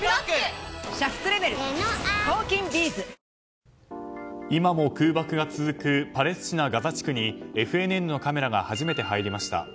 「ＧＯＬＤ」も今も空爆が続くパレスチナ・ガザ地区にＦＮＮのカメラが初めて入りました。